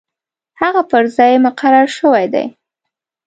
هغه پر ځای مقرر شوی دی.